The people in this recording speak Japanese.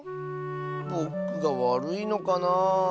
ぼくがわるいのかなあ。